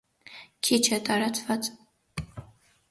Քիչ է տարածված։